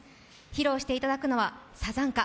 披露していただくのは「サザンカ」。